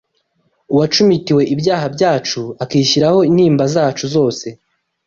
uwacumitiwe ibyaha byacu akishyiraho intimba zacu zose